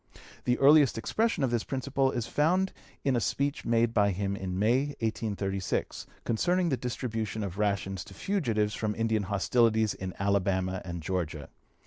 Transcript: The earliest expression of this principle is found in a speech made by him in May, 1836, concerning the distribution of rations to fugitives from Indian hostilities in Alabama and Georgia.